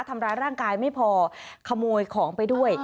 ทำร้ายร่างกายไม่พอขโมยของไปด้วย